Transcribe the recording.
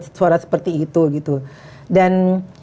suara seperti itu gitu dan